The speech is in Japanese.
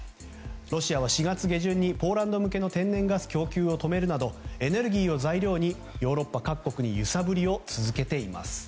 ロシアは４月下旬にポーランド向けの天然ガス供給を止めるなど、エネルギーを材料にヨーロッパ各国に揺さぶりを続けています。